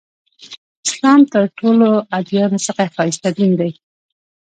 اسلام تر ټولو ادیانو څخه ښایسته دین دی.